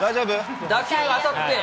打球当たって。